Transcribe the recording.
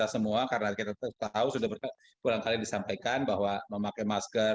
kita semua karena kita tahu sudah berkata kurang kali disampaikan bahwa memakai masker